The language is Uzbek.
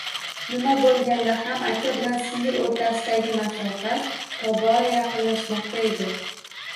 Nima bo‘lganda ham aka bilan singil o‘rtasidagi masofa tobora yaqinlashmoqda edi